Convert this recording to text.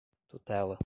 tutela